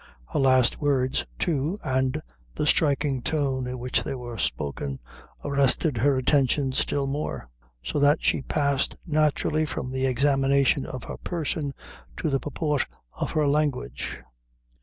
Her last words, too, and the striking tone in which they were spoken, arrested her attention still more; so that she passed naturally from the examination of her person to the purport of her language.